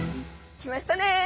来ましたね！